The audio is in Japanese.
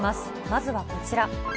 まずはこちら。